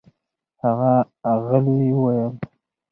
هغه غلې وویل: